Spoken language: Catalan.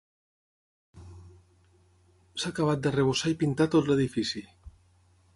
S'ha acabat d'arrebossar i pintar tot l'edifici.